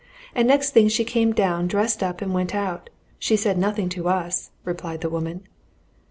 And next thing she came down dressed up and went out. She said nothing to us," replied the woman.